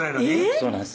そうなんです